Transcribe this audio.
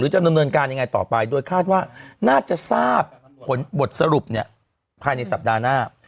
จะดำเนินการยังไงต่อไปโดยคาดว่าน่าจะทราบผลบทสรุปภายในสัปดาห์หน้า